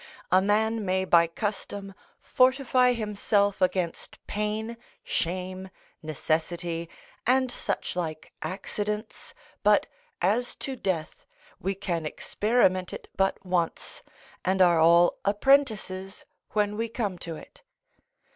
A man may by custom fortify himself against pain, shame, necessity, and such like accidents, but as to death, we can experiment it but once, and are all apprentices when we come to it.